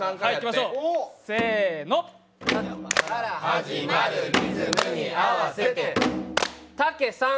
から始まるリズムに合わせてたけ３。